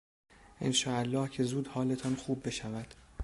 انشاالله که زود حالتان خوب بشود.